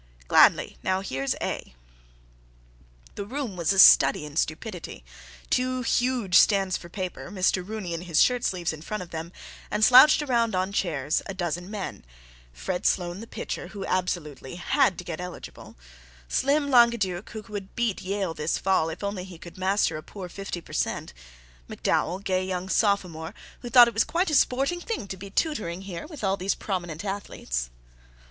"Gladly. Now here's 'A'..." The room was a study in stupidity—two huge stands for paper, Mr. Rooney in his shirt sleeves in front of them, and slouched around on chairs, a dozen men: Fred Sloane, the pitcher, who absolutely had to get eligible; "Slim" Langueduc, who would beat Yale this fall, if only he could master a poor fifty per cent; McDowell, gay young sophomore, who thought it was quite a sporting thing to be tutoring here with all these prominent athletes.